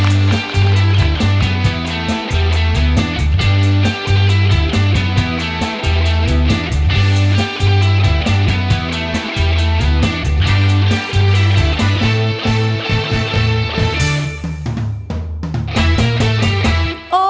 สมาธิพร้อม